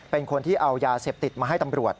เป็นคนที่เอายาเสพติดมาให้ตำรวจ